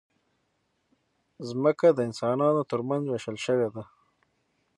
مځکه د انسانانو ترمنځ وېشل شوې ده.